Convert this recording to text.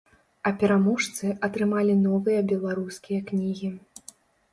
А пераможцы атрымалі новыя беларускія кнігі.